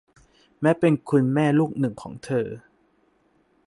แม้เป็นคุณแม่ลูกหนึ่งของเธอ